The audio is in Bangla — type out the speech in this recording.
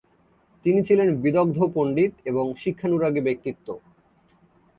তিনি ছিলেন বিদগ্ধ পণ্ডিত এবং শিক্ষানুরাগী ব্যক্তিত্ব।